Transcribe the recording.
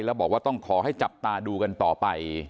แล้วบอกว่าต้องขอให้จับตาดูกันต่อไป